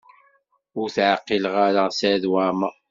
Ur teɛqileḍ ara Saɛid Waɛmaṛ?